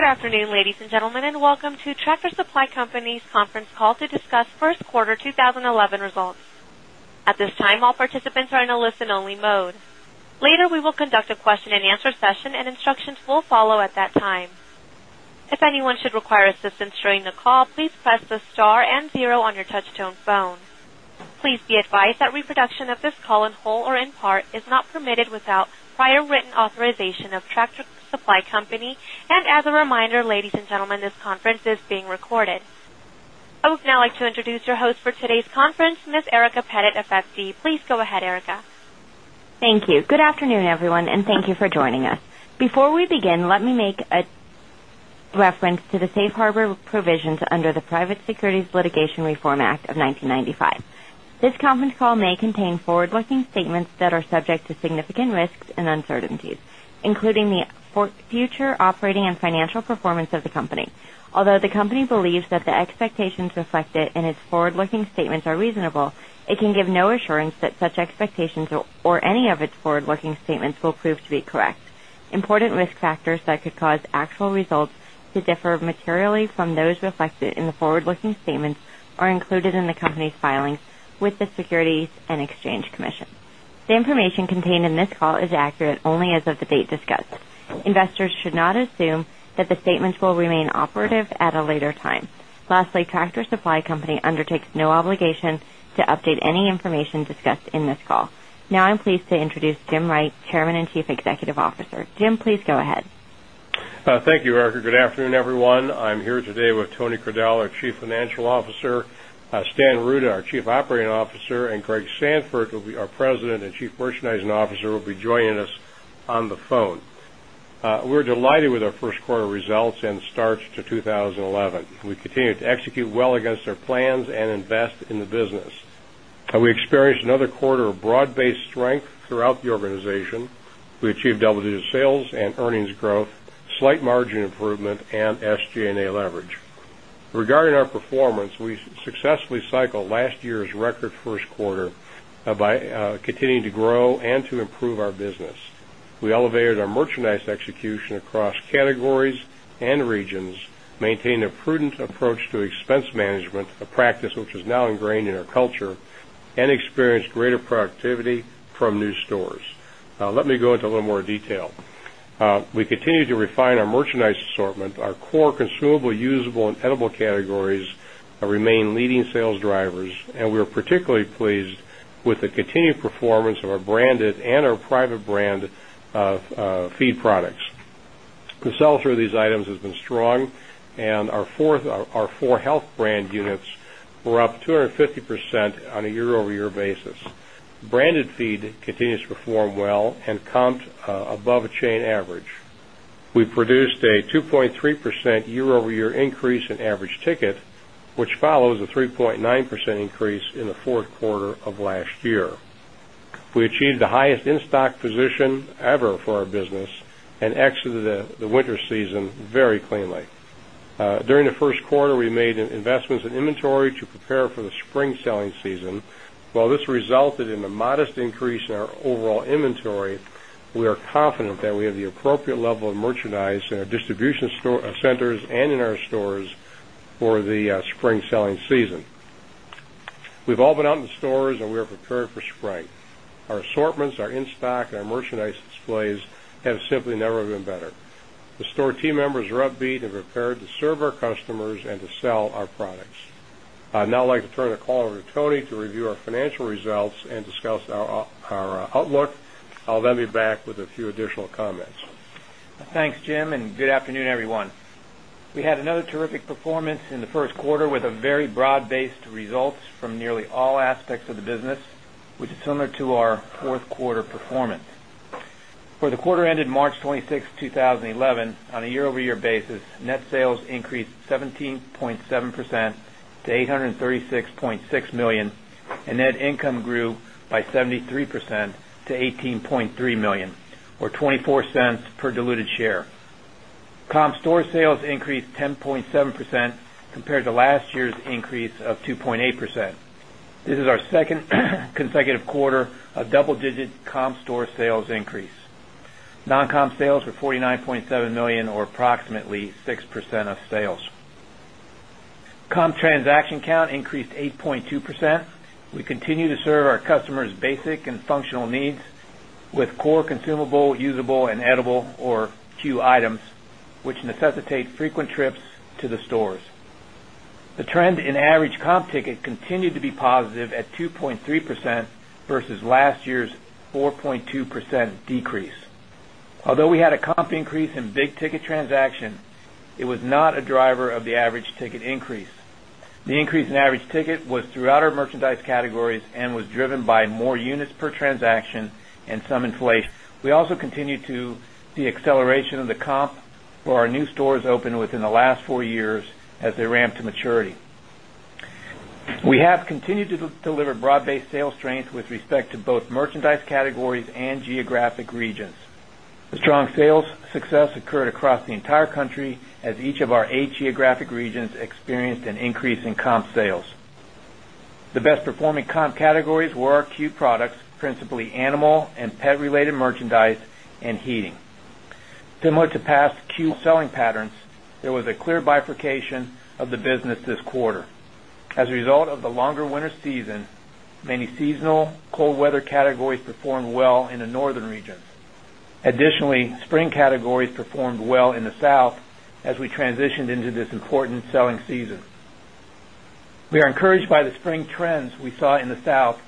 Good afternoon, ladies and gentlemen, and welcome to Tractor Supply Company's conference call to discuss first quarter 2011 results. At this time, all participants are in a listen-only mode. Later, we will conduct a question and answer session, and instructions will follow at that time. If anyone should require assistance during the call, please press the star and zero on your touch-tone phone. Please be advised that reproduction of this call in whole or in part is not permitted without prior written authorization of Tractor Supply Company. As a reminder, ladies and gentlemen, this conference is being recorded. I would now like to introduce your host for today's conference, Ms. Erica Pettit of FD. Please go ahead, Erica. Thank you. Good afternoon, everyone, and thank you for joining us. Before we begin, let me make a reference to the safe harbor provisions under the Private Securities Litigation Reform Act of 1995. This conference call may contain forward-looking statements that are subject to significant risks and uncertainties, including the future operating and financial performance of the company. Although the company believes that the expectations reflected in its forward-looking statements are reasonable, it can give no assurance that such expectations or any of its forward-looking statements will prove to be correct. Important risk factors that could cause actual results to differ materially from those reflected in the forward-looking statements are included in the company's filings with the Securities and Exchange Commission. The information contained in this call is accurate only as of the date discussed. Investors should not assume that the statements will remain operative at a later time. Lastly, Tractor Supply Company undertakes no obligation to update any information discussed in this call. Now I'm pleased to introduce Jim Wright, Chairman and Chief Executive Officer. Jim, please go ahead. Thank you, Erica. Good afternoon, everyone. I'm here today with Tony Crudele, our Chief Financial Officer, Stan Rude, our Chief Operating Officer, and Greg Sandfort, our President and Chief Merchandising Officer, will be joining us on the phone. We're delighted with our first quarter results and start to 2011. We continue to execute well against our plans and invest in the business. We experienced another quarter of broad-based strength throughout the organization. We achieved double-digit sales and earnings growth, slight margin improvement, and SG&A leverage. Regarding our performance, we successfully cycled last year's record first quarter by continuing to grow and to improve our business. We elevated our merchandise execution across categories and regions, maintained a prudent approach to expense management, a practice which is now ingrained in our culture, and experienced greater productivity from new stores. Let me go into a little more detail. We continue to refine our merchandise assortment. Our core consumable, usable, and edible categories remain leading sales drivers, and we are particularly pleased with the continued performance of our branded and our private brand of feed products. The sales for these items have been strong, and our 4health brand units were up 250% on a year-over-year basis. Branded feed continues to perform well and come above a chain average. We produced a 2.3% year-over-year increase in average ticket, which follows a 3.9% increase in the fourth quarter of last year. We achieved the highest in-stock position ever for our business and exited the winter season very cleanly. During the first quarter, we made investments in inventory to prepare for the spring selling season. While this resulted in a modest increase in our overall inventories, we are confident that we have the appropriate level of merchandise in our distribution centers and in our stores for the spring selling season. We've all been out in the stores, and we are prepared for spring. Our assortments, our in-stock, and our merchandise displays have simply never been better. The store team members are upbeat and prepared to serve our customers and to sell our products. I'd now like to turn the call over to Tony to review our financial results and discuss our outlook. I'll then be back with a few additional comments. Thanks, Jim, and good afternoon, everyone. We had another terrific performance in the first quarter with very broad-based results from nearly all aspects of the business, which is similar to our fourth quarter performance. For the quarter ended March 26, 2011, on a year-over-year basis, net sales increased 17.7% to $836.6 million, and net income grew by 73% to $18.3 million, or $0.24 per diluted share. Comp store sales increased 10.7% compared to last year's increase of 2.8%. This is our second consecutive quarter of double-digit comp store sales increase. Non-comp sales were $49.7 million, or approximately 6% of sales. Comp transaction count increased 8.2%. We continue to serve our customers' basic and functional needs with core consumable, usable, and edible, or CUE items, which necessitate frequent trips to the stores. The trend in average comp ticket continued to be positive at 2.3% versus last year's 4.2% decrease. Although we had a comp increase in big ticket transaction, it was not a driver of the average ticket increase. The increase in average ticket was throughout our merchandise categories and was driven by more units per transaction and some inflation. We also continue to see acceleration of the comp for our new stores opened within the last four years as they ramp to maturity. We have continued to deliver broad-based sales strength with respect to both merchandise categories and geographic regions. The strong sales success occurred across the entire country as each of our eight geographic regions experienced an increase in comp sales. The best-performing comp categories were CUE products, principally animal and pet-related merchandise and heating. Similar to past CUE selling patterns, there was a clear bifurcation of the business this quarter. As a result of the longer winter season, many seasonal cold weather categories performed well in the northern regions. Additionally, spring categories performed well in the south as we transitioned into this important selling season. We are encouraged by the spring trends we saw in the south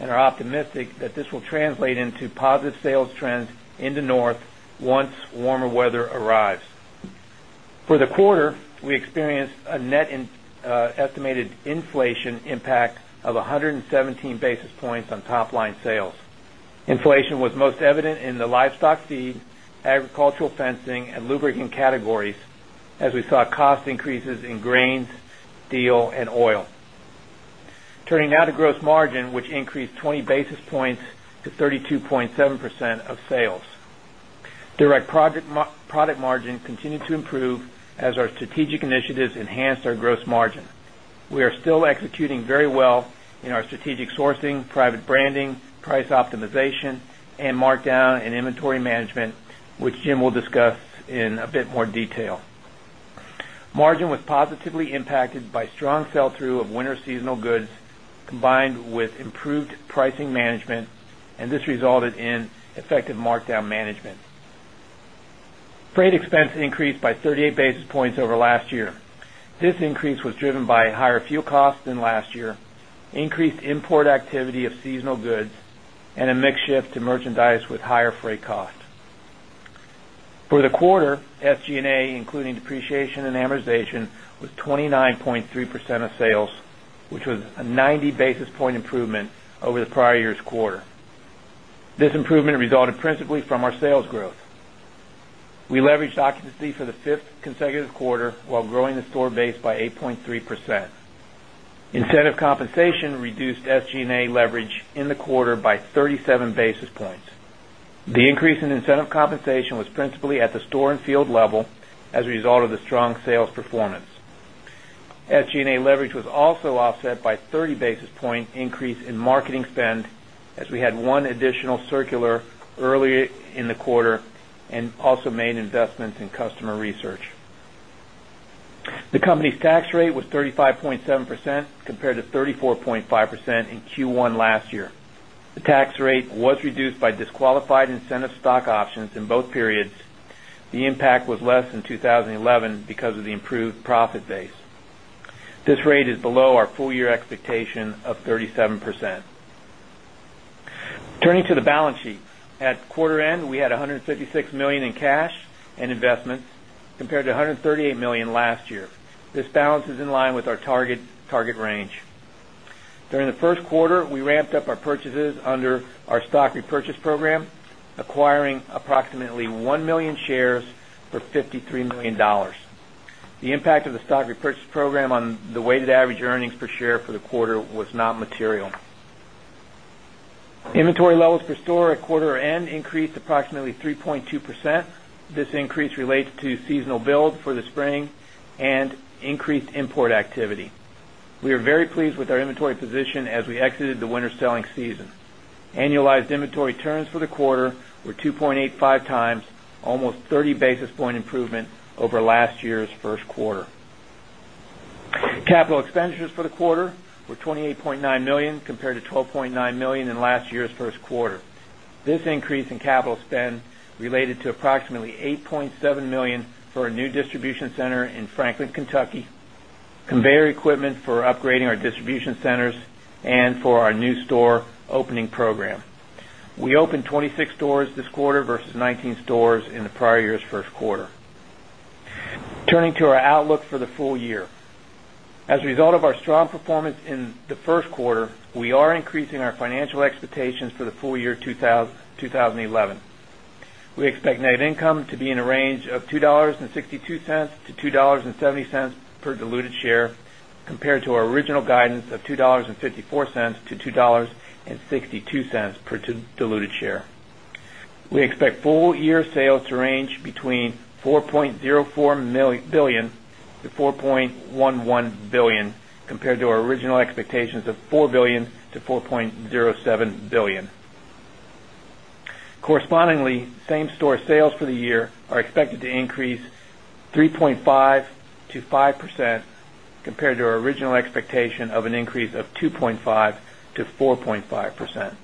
and are optimistic that this will translate into positive sales trends in the north once warmer weather arrives. For the quarter, we experienced a net estimated inflation impact of 117 basis points on top-line sales. Inflation was most evident in the livestock feed, agricultural fencing, and lubricant categories as we saw cost increases in grains, steel, and oil. Turning now to gross margin, which increased 20 basis points to 32.7% of sales. Direct product margin continued to improve as our strategic initiatives enhanced our gross margin. We are still executing very well in our strategic sourcing, private branding, price optimization, and markdown and inventory management, which Jim will discuss in a bit more detail. Margin was positively impacted by strong sell-through of winter seasonal goods combined with improved pricing management, and this resulted in effective markdown management. Freight expense increased by 38 basis points over last year. This increase was driven by higher fuel costs than last year, increased import activity of seasonal goods, and a mixed shift to merchandise with higher freight costs. For the quarter, SG&A, including depreciation and amortization, was 29.3% of sales, which was a 90 basis point improvement over the prior year's quarter. This improvement resulted principally from our sales growth. We leveraged occupancy for the fifth consecutive quarter while growing the store base by 8.3%. Incentive compensation reduced SG&A leverage in the quarter by 37 basis points. The increase in incentive compensation was principally at the store and field level as a result of the strong sales performance. SG&A leverage was also offset by a 30 basis point increase in marketing spend as we had one additional circular earlier in the quarter and also made investments in customer research. The company's tax rate was 35.7% compared to 34.5% in Q1 last year. The tax rate was reduced by disqualified incentive stock options in both periods. The impact was less in 2011 because of the improved profit base. This rate is below our full-year expectation of 37%. Turning to the balance sheet, at quarter end, we had $156 million in cash and investments compared to $138 million last year. This balance is in line with our target range. During the first quarter, we ramped up our purchases under our stock repurchase program, acquiring approximately 1 million shares for $53 million. The impact of the stock repurchase program on the weighted average earnings per share for the quarter was not material. Inventory levels per store at quarter end increased approximately 3.2%. This increase relates to seasonal build for the spring and increased import activity. We are very pleased with our inventory position as we exited the winter selling season. Annualized inventory turns for the quarter were 2.85x, almost a 30 basis point improvement over last year's first quarter. Capital expenditures for the quarter were $28.9 million compared to $12.9 million in last year's first quarter. This increase in capital spend related to approximately $8.7 million for a new distribution center in Franklin, Kentucky, conveyor equipment for upgrading our distribution centers, and for our new store opening program. We opened 26 stores this quarter versus 19 stores in the prior year's first quarter. Turning to our outlook for the full year, as a result of our strong performance in the first quarter, we are increasing our financial expectations for the full year 2011. We expect net income to be in a range of $2.62-$2.70 per diluted share compared to our original guidance of $2.54-$2.62 per diluted share. We expect full-year sales to range between $4.04 billion-$4.11 billion compared to our original expectations of $4 billion-$4.07 billion. Correspondingly, same-store sales for the year are expected to increase 3.5% to 5% compared to our original expectation of an increase of 2.5% to 4.5%.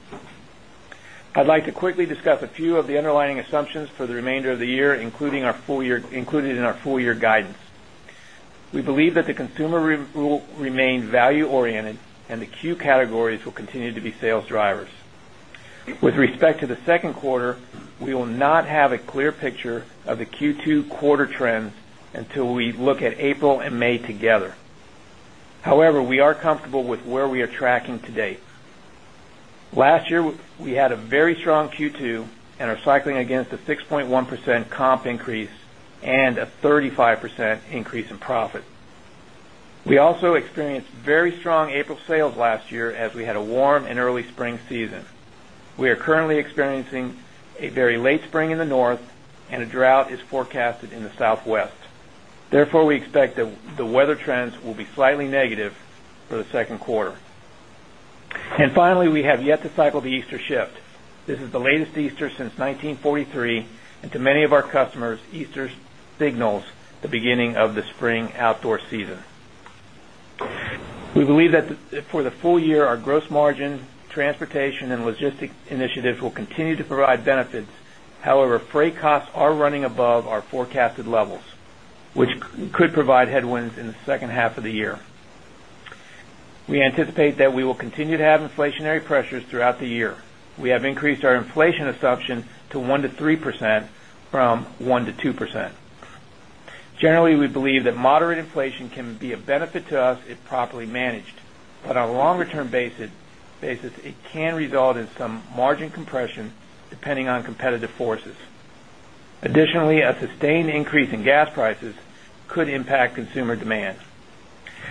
I'd like to quickly discuss a few of the underlying assumptions for the remainder of the year, including in our full-year guidance. We believe that the consumer will remain value-oriented, and the CUE categories will continue to be sales drivers. With respect to the second quarter, we will not have a clear picture of the Q2 quarter trends until we look at April and May together. However, we are comfortable with where we are tracking to date. Last year, we had a very strong Q2 and are cycling against a 6.1% comp increase and a 35% increase in profit. We also experienced very strong April sales last year as we had a warm and early spring season. We are currently experiencing a very late spring in the North, and a drought is forecasted in the Southwest. Therefore, we expect the weather trends will be slightly negative for the second quarter. Finally, we have yet to cycle the Easter shift. This is the latest Easter since 1943, and to many of our customers, Easter signals the beginning of the spring outdoor season. We believe that for the full year, our gross margin, transportation, and logistic initiatives will continue to provide benefits. However, freight costs are running above our forecasted levels, which could provide headwinds in the second half of the year. We anticipate that we will continue to have inflationary pressures throughout the year. We have increased our inflation assumption to 1%-3% from 1%-2%. Generally, we believe that moderate inflation can be a benefit to us if properly managed. On a longer-term basis, it can result in some margin compression depending on competitive forces. Additionally, a sustained increase in gas prices could impact consumer demand.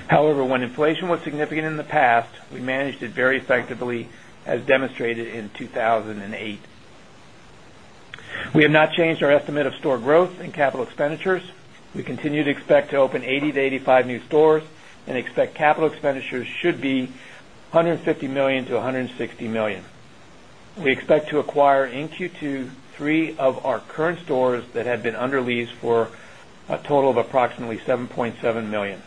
However, when inflation was significant in the past, we managed it very effectively as demonstrated in 2008. We have not changed our estimate of store growth and capital expenditures. We continue to expect to open 80 to 85 new stores and expect capital expenditures should be $150 million-$160 million. We expect to acquire in Q2 three of our current stores that had been under lease for a total of approximately $7.7 million.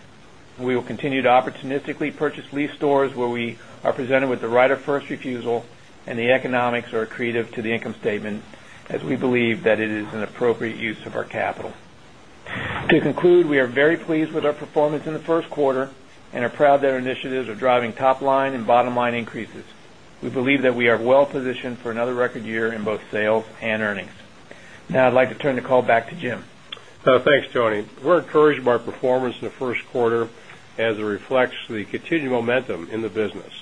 We will continue to opportunistically purchase lease stores where we are presented with the right of first refusal and the economics are accretive to the income statement as we believe that it is an appropriate use of our capital. To conclude, we are very pleased with our performance in the first quarter and are proud that our initiatives are driving top-line and bottom-line increases. We believe that we are well-positioned for another record year in both sales and earnings. Now I'd like to turn the call back to Jim. Thanks, Tony. We're encouraged by our performance in the first quarter as it reflects the continued momentum in the business.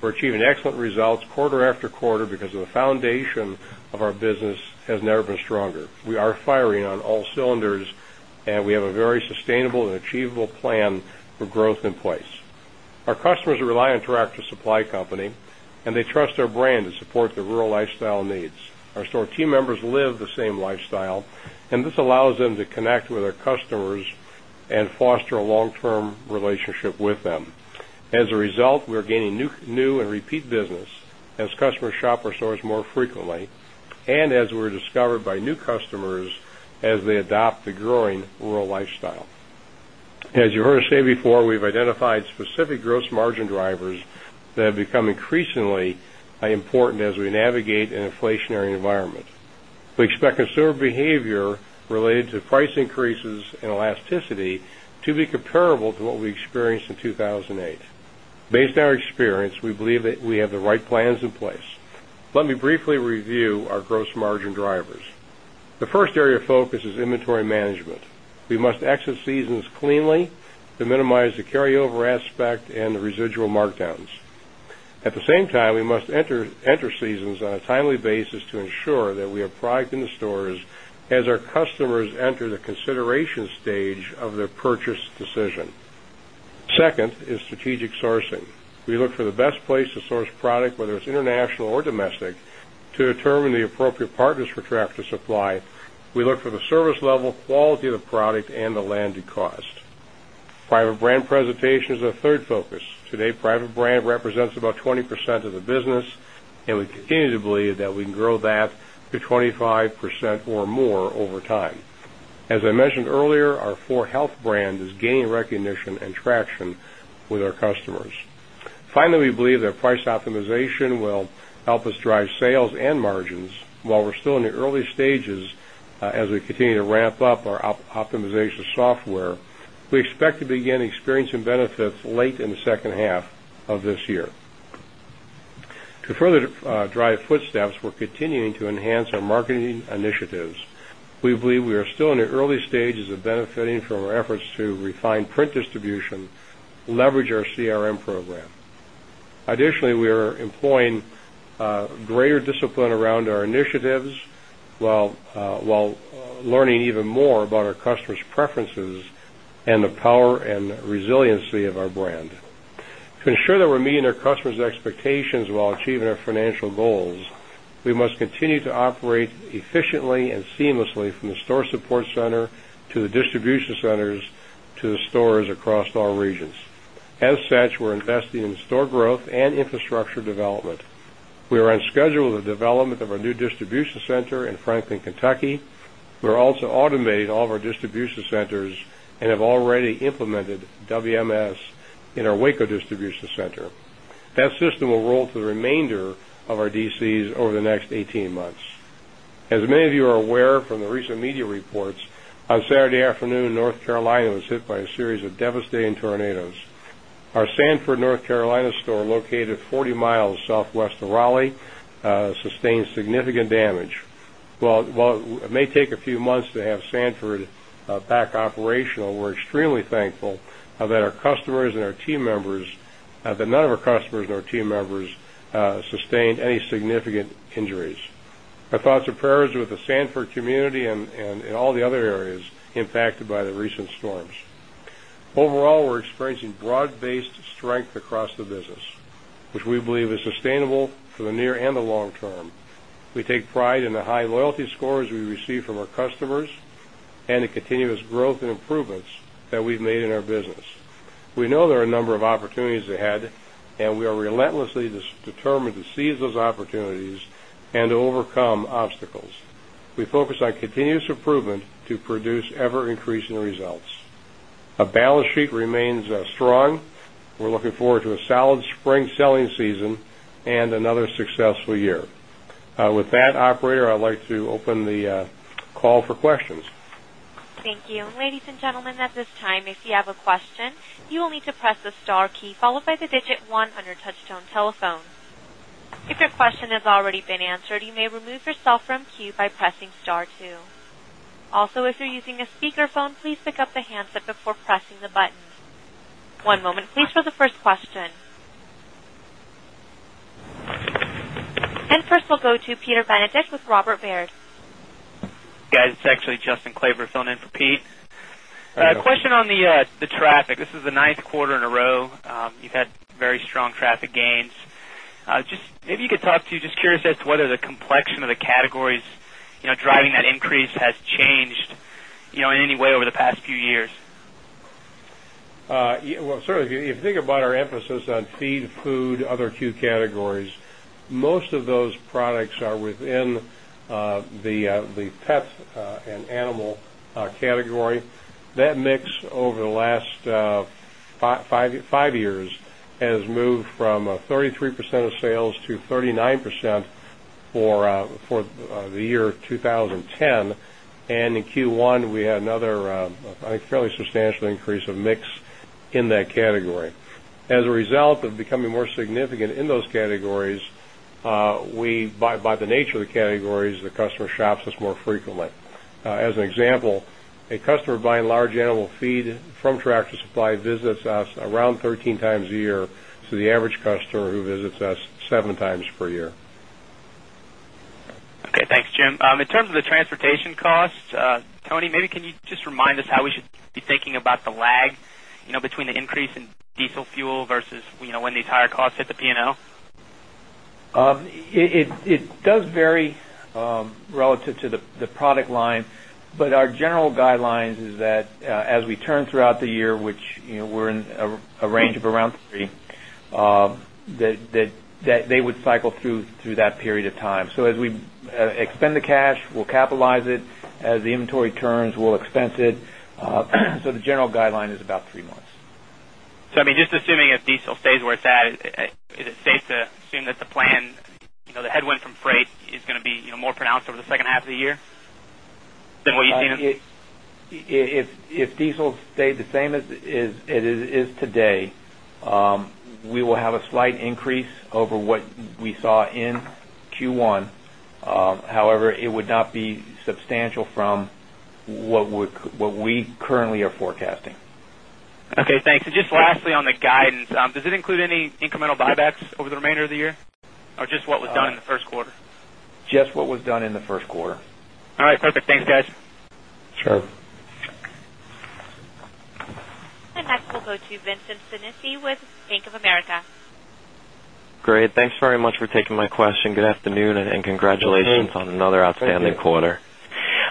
We're achieving excellent results quarter after quarter because the foundation of our business has never been stronger. We are firing on all cylinders, and we have a very sustainable and achievable plan for growth in place. Our customers rely on Tractor Supply Company, and they trust our brand to support their rural lifestyle needs. Our store team members live the same lifestyle, and this allows them to connect with our customers and foster a long-term relationship with them. As a result, we're gaining new and repeat business as customers shop our stores more frequently and as we're discovered by new customers as they adopt the growing rural lifestyle. As you heard us say before, we've identified specific gross margin drivers that have become increasingly important as we navigate an inflationary environment. We expect consumer behavior related to price increases and elasticity to be comparable to what we experienced in 2008. Based on our experience, we believe that we have the right plans in place. Let me briefly review our gross margin drivers. The first area of focus is inventory management. We must exit seasons cleanly to minimize the carryover aspect and the residual markdowns. At the same time, we must enter seasons on a timely basis to ensure that we have product in the stores as our customers enter the consideration stage of their purchase decision. Second is strategic sourcing. We look for the best place to source product, whether it's international or domestic, to determine the appropriate partners for Tractor Supply. We look for the service level, quality of the product, and the landed cost. Private brand presentation is our third focus. Today, private brand represents about 20% of the business, and we continue to believe that we can grow that to 25% or more over time. As I mentioned earlier, our 4health brand is gaining recognition and traction with our customers. Finally, we believe that price optimization will help us drive sales and margins while we're still in the early stages as we continue to ramp up our optimization software. We expect to begin experiencing benefits late in the second half of this year. To further drive footsteps, we're continuing to enhance our marketing initiatives. We believe we are still in the early stages of benefiting from our efforts to refine print distribution and leverage our CRM program. Additionally, we are employing greater discipline around our initiatives while learning even more about our customers' preferences and the power and resiliency of our brand. To ensure that we're meeting our customers' expectations while achieving our financial goals, we must continue to operate efficiently and seamlessly from the Store Support Center to the distribution centers to the stores across all regions. As such, we're investing in store growth and infrastructure development. We are on schedule with the development of our new distribution center in Franklin, Kentucky. We're also automating all of our distribution centers and have already implemented WMS in our Waco distribution center. That system will roll to the remainder of our DCs over the next 18 months. As many of you are aware from the recent media reports, on Saturday afternoon, North Carolina was hit by a series of devastating tornadoes. Our Sanford, North Carolina store, located 40 mi southwest of Raleigh, sustained significant damage. While it may take a few months to have Sanford back operational, we're extremely thankful that none of our customers nor team members sustained any significant injuries. Our thoughts and prayers are with the Sanford community and all the other areas impacted by the recent storms. Overall, we're experiencing broad-based strength across the business, which we believe is sustainable for the near and the long term. We take pride in the high loyalty scores we receive from our customers and the continuous growth and improvements that we've made in our business. We know there are a number of opportunities ahead, and we are relentlessly determined to seize those opportunities and to overcome obstacles. We focus on continuous improvement to produce ever-increasing results. Our balance sheet remains strong. We're looking forward to a solid spring selling season and another successful year. With that, operator, I'd like to open the call for questions. Thank you. Ladies and gentlemen, at this time, if you have a question, you will need to press the star key followed by the digit one on your touch-tone telephone. If your question has already been answered, you may remove yourself from the queue by pressing star two. If you're using a speaker phone, please pick up the handset before pressing the button. One moment, please, for the first question. First, we'll go to Peter Benedict with Robert Baird. Guys, it's actually Justin Claybourne phoning in for Pete. Question on the traffic. This is the ninth quarter in a row. You've had very strong traffic gains. Just maybe you could talk to, just curious as to whether the complexion of the categories driving that increase has changed in any way over the past few years. If you think about our emphasis on feed, food, other two categories, most of those products are within the pets and animal category. That mix over the last five years has moved from 33% of sales to 39% for the year 2010. In Q1, we had another, I think, fairly substantial increase of mix in that category. As a result of becoming more significant in those categories, by the nature of the categories, the customer shops us more frequently. As an example, a customer buying large animal feed from Tractor Supply visits us around 13x a year compared to the average customer who visits us 7x per year. Okay, thanks, Jim. In terms of the transportation costs, Tony, maybe can you just remind us how we should be thinking about the lag between the increase in diesel fuel versus when the entire costs hit the P&L? It does vary relative to the product line, but our general guidelines are that as we turn throughout the year, which, you know, we're in a range of around three, that they would cycle through that period of time. As we expend the cash, we'll capitalize it. As the inventory turns, we'll expense it. The general guideline is about three months. I mean, just assuming if diesel stays where it's at, is it safe to assume that the plan, you know, the headwind from freight is going to be, you know, more pronounced over the second half of the year than what you've seen? If diesel stayed the same as it is today, we will have a slight increase over what we saw in Q1. However, it would not be substantial from what we currently are forecasting. Okay, thanks. Just lastly, on the guidance, does it include any incremental buybacks over the remainder of the year or just what was done in the first quarter? Just what was done in the first quarter. All right, perfect. Thanks, guys. Sure. Next, we'll go to Vincent Sinisi with Bank of America. Great. Thanks very much for taking my question. Good afternoon and congratulations on another outstanding quarter.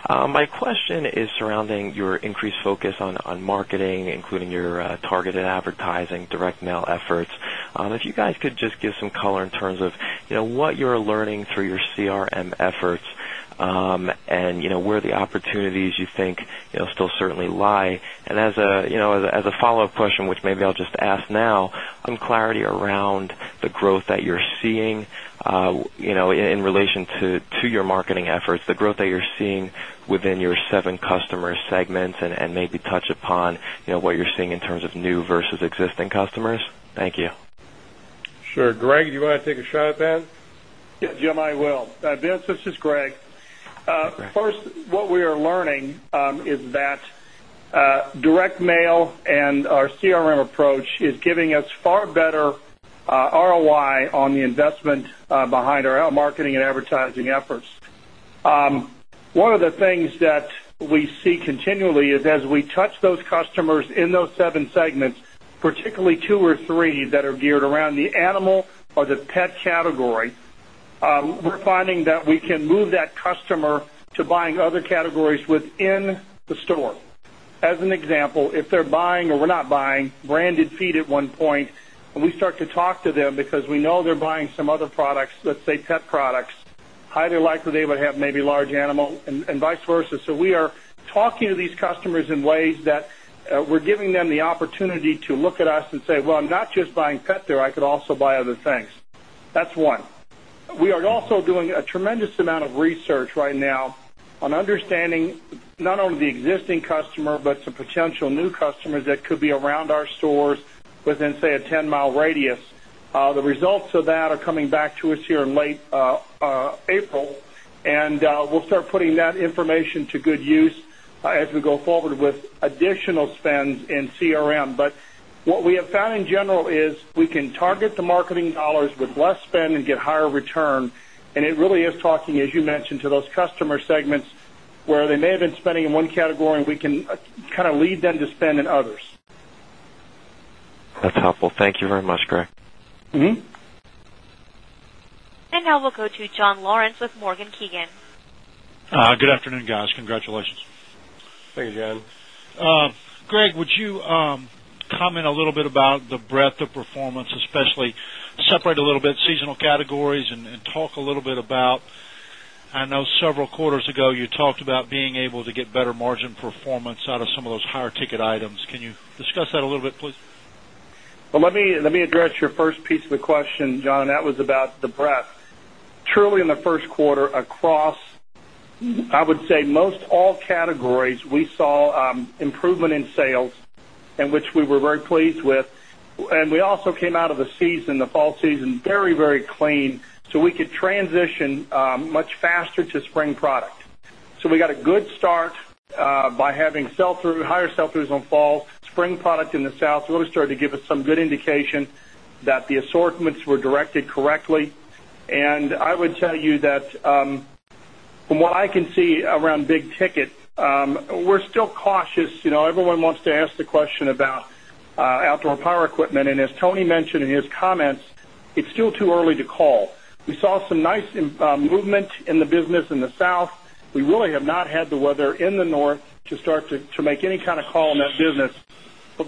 My question is surrounding your increased focus on marketing, including your targeted advertising, direct mail efforts. If you guys could just give some color in terms of what you're learning through your CRM efforts and where the opportunities you think still certainly lie. As a follow-up question, which maybe I'll just ask now, I want clarity around the growth that you're seeing in relation to your marketing efforts, the growth that you're seeing within your seven customer segments, and maybe touch upon what you're seeing in terms of new versus existing customers. Thank you. Sure. Greg, do you want to take a shot then? Yeah, Jim, I will. Vince, this is Greg. First, what we are learning is that direct mail and our CRM approach is giving us far better ROI on the investment behind our marketing and advertising efforts. One of the things that we see continually is as we touch those customers in those seven segments, particularly two or three that are geared around the animal or the pet category, we're finding that we can move that customer to buying other categories within the store. As an example, if they're buying or we're not buying branded feed at one point, and we start to talk to them because we know they're buying some other products, let's say pet products, highly likely they would have maybe large animal and vice versa. We are talking to these customers in ways that we're giving them the opportunity to look at us and say, well, I'm not just buying pet there, I could also buy other things. That's one. We are also doing a tremendous amount of research right now on understanding not only the existing customer, but some potential new customers that could be around our stores within, say, a 10-mi radius. The results of that are coming back to us here in late April, and we'll start putting that information to good use as we go forward with additional spends in CRM. What we have found in general is we can target the marketing dollars with less spend and get higher return. It really is talking, as you mentioned, to those customer segments where they may have been spending in one category, and we can kind of lead them to spend in others. That's helpful. Thank you very much, Greg. We will go to John Lawrence with Morgan Keegan. Good afternoon, guys. Congratulations. Thank you, John. Greg, would you comment a little bit about the breadth of performance, especially separate a little bit seasonal categories and talk a little bit about, I know several quarters ago you talked about being able to get better margin performance out of some of those higher ticket items. Can you discuss that a little bit, please? Let me address your first piece of the question, John, and that was about the breadth. Truly, in the first quarter, across, I would say, most all categories, we saw improvement in sales, which we were very pleased with. We also came out of the season, the fall season, very, very clean, so we could transition much faster to spring product. We got a good start by having sell-through, higher sell-throughs on fall. Spring product in the South really started to give us some good indication that the assortments were directed correctly. I would tell you that from what I can see around big ticket, we're still cautious. You know, everyone wants to ask the question about outdoor power equipment. As Tony mentioned in his comments, it's still too early to call. We saw some nice movement in the business in the South. We really have not had the weather in the North to start to make any kind of call in that business.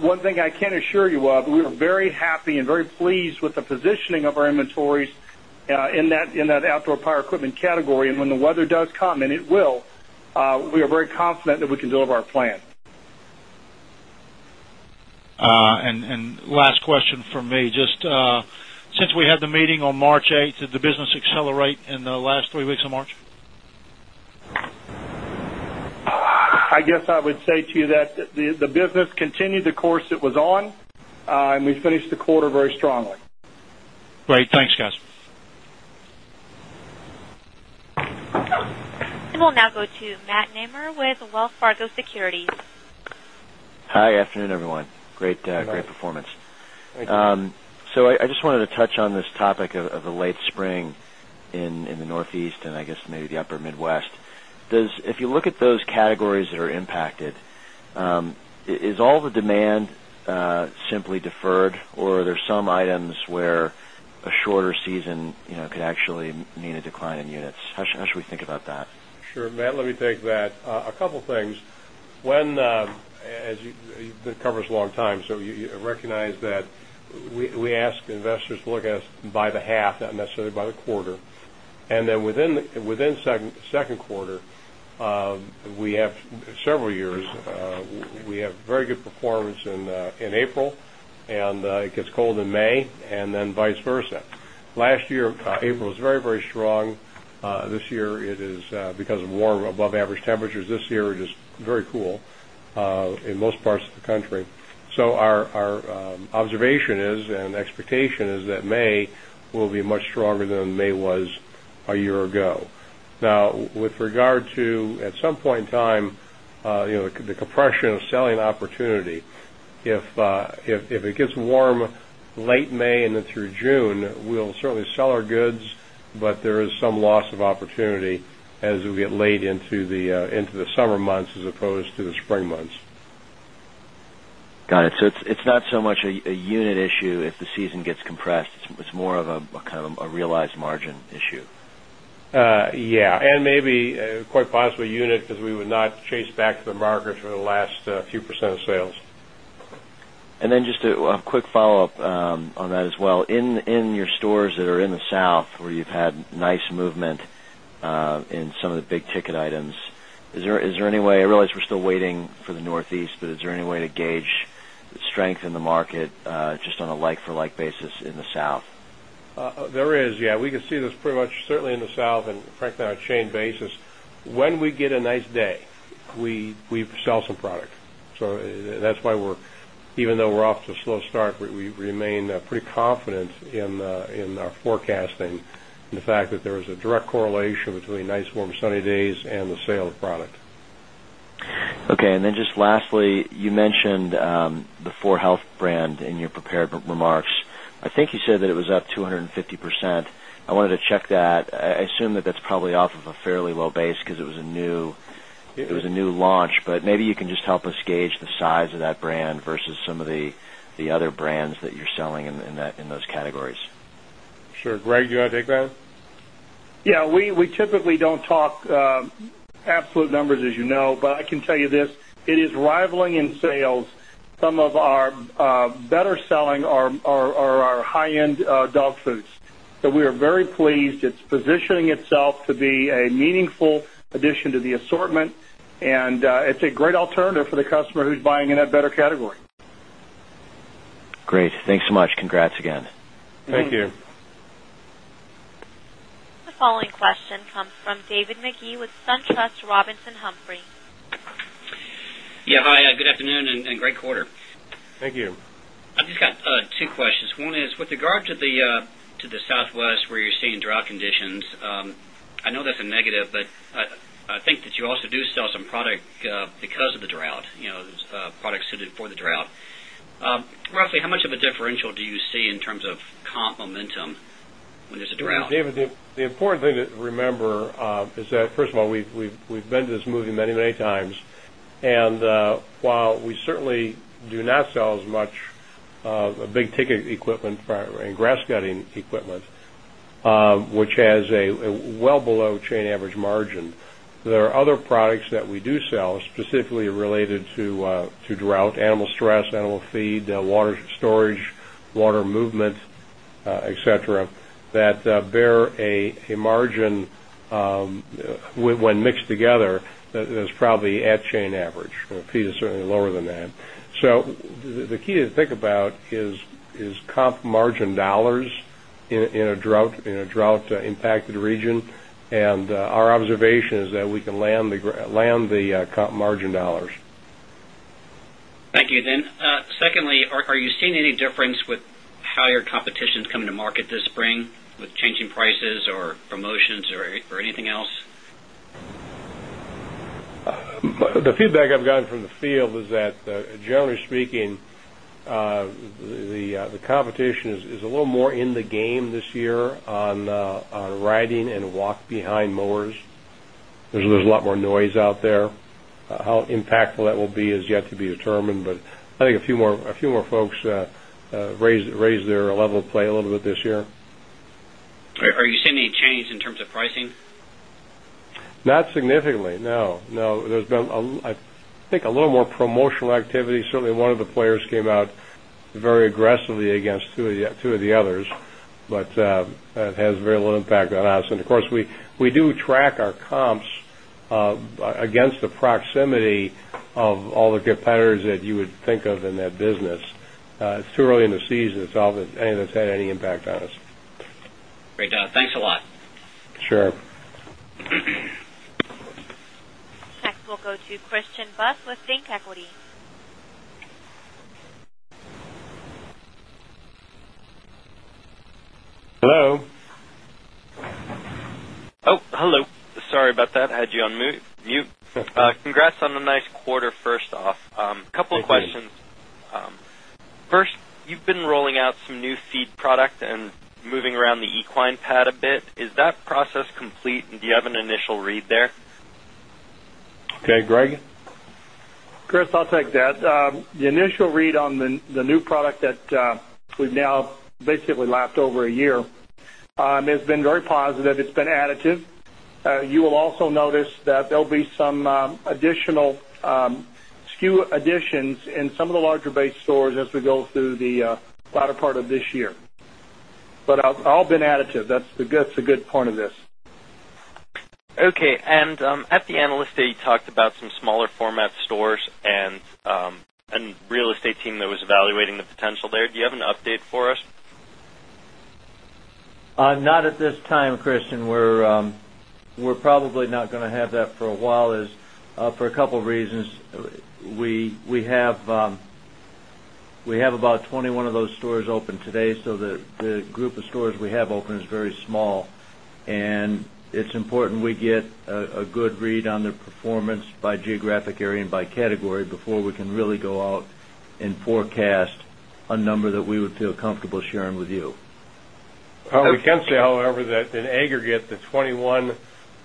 One thing I can assure you of, we are very happy and very pleased with the positioning of our inventories in that outdoor power equipment category. When the weather does come, and it will, we are very confident that we can deliver our plan. Since we had the meeting on March 8th, did the business accelerate in the last three weeks of March? I guess I would say to you that the business continued the course it was on, and we finished the quarter very strongly. Great. Thanks, guys. We will now go to Matt Nemer with Wells Fargo Securities. Hi, afternoon, everyone. Great, great performance. I just wanted to touch on this topic of the late spring in the Northeast and I guess maybe the upper Midwest. If you look at those categories that are impacted, is all the demand simply deferred, or are there some items where a shorter season could actually mean a decline in units? How should we think about that? Sure, Matt. Let me take that. A couple of things. As you've been covering us a long time, you recognize that we ask investors to look at us by the half, not necessarily by the quarter. Within the second quarter, we have several years, we have very good performance in April, and it gets cold in May, and vice versa. Last year, April was very, very strong. This year, it is because of warm, above-average temperatures. This year, it is very cool in most parts of the country. Our observation is and expectation is that May will be much stronger than May was a year ago. Now, with regard to, at some point in time, you know, the compression of selling opportunity, if it gets warm late May and then through June, we'll certainly sell our goods, but there is some loss of opportunity as we get laid into the summer months as opposed to the spring months. Got it. It's not so much a unit issue if the season gets compressed. It's more of a kind of a realized margin issue. Yeah, and maybe quite possibly unit, because we would not chase back to the market for the last few percent of sales. Just a quick follow-up on that as well. In your stores that are in the South where you've had nice movement in some of the big ticket items, is there any way—I realize we're still waiting for the Northeast—but is there any way to gauge the strength in the market just on a like-for-like basis in the South? There is, yeah. We can see this pretty much certainly in the South and frankly on a chain basis. When we get a nice day, we sell some product. That's why we're, even though we're off to a slow start, we remain pretty confident in our forecasting and the fact that there is a direct correlation between nice, warm, sunny days and the sale of product. Okay. Lastly, you mentioned the 4health brand in your prepared remarks. I think you said that it was up 250%. I wanted to check that. I assume that that's probably off of a fairly low base because it was a new launch, but maybe you can just help us gauge the size of that brand versus some of the other brands that you're selling in those categories. Sure. Greg, do you want to take that? We typically don't talk absolute numbers, as you know, but I can tell you this. It is rivaling in sales some of our better selling or our high-end dog foods. We are very pleased. It's positioning itself to be a meaningful addition to the assortment, and it's a great alternative for the customer who's buying in that better category. Great. Thanks so much. Congrats again. Thank you. The following question comes from David Magee with SunTrust Robinson Humphrey. Yeah, hi. Good afternoon and great quarter. Thank you. I've just got two questions. One is with regard to the Southwest where you're seeing drought conditions. I know that's a negative, but I think that you also do sell some product because of the drought, you know, products suited for the drought. Roughly, how much of a differential do you see in terms of comp momentum when there's a drought? David, the important thing to remember is that, first of all, we've been to this movie many, many times. While we certainly do not sell as much big ticket equipment and grass cutting equipment, which has a well below chain average margin, there are other products that we do sell specifically related to drought, animal stress, animal feed, water storage, water movement, et cetera, that bear a margin when mixed together that is probably at chain average. Feed is certainly lower than that. The key to think about is comp margin dollars in a drought-impacted region. Our observation is that we can land the comp margin dollars. Thank you, Jim. Secondly, are you seeing any difference with how your competition is coming to market this spring with changing prices or promotions or anything else? The feedback I've gotten from the field is that, generally speaking, the competition is a little more in the game this year on riding and walk-behind mowers. There's a lot more noise out there. How impactful that will be is yet to be determined, but I think a few more folks raised their level of play a little bit this year. Are you seeing any change in terms of pricing? Not significantly, no. There's been, I think, a little more promotional activity. Certainly, one of the players came out very aggressively against two of the others, but it has very little impact on us. Of course, we do track our comps against the proximity of all the competitors that you would think of in that business. It's too early in the season to tell if any of that's had any impact on us. Great, thanks a lot. Sure. Next, we'll go to Christian Buss with ThinkEquity. Hello. Oh, hello. Sorry about that. I had you on mute. Congrats on a nice quarter, first off. A couple of questions. First, you've been rolling out some new feed product and moving around the equine pad a bit. Is that process complete, and do you have an initial read there? Okay, Greg? Chris, I'll take that. The initial read on the new product that we've now basically lapped over a year has been very positive. It's been additive. You will also notice that there'll be some additional SKU additions in some of the larger base stores as we go through the latter part of this year. I'll admit, additive, that's a good point of this. Okay. At the end, I know you talked about some smaller format stores and a real estate team that was evaluating the potential there. Do you have an update for us? Not at this time, Christian. We're probably not going to have that for a while for a couple of reasons. We have about 21 of those stores open today, so the group of stores we have open is very small. It's important we get a good read on their performance by geographic area and by category before we can really go out and forecast a number that we would feel comfortable sharing with you. We can say, however, that in aggregate, the 21